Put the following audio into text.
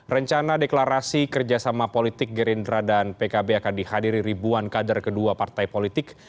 rencana deklarasi kerjasama politik gerindra dan pkb akan dihadiri ribuan kader kedua partai politik